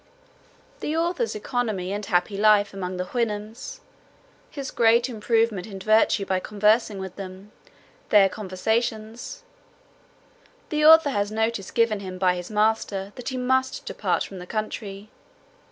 The author's economy, and happy life among the Houyhnhnms. His great improvement in virtue by conversing with them. Their conversations. The author has notice given him by his master, that he must depart from the country.